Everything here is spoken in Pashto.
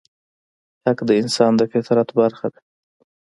حق د انسان د فطرت برخه ده.